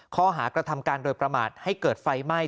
ข้อหากระทำการโดยประมาทให้เกิดไฟไหม้